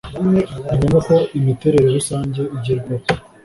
ni ngombwa ko imiterere rusange igerwaho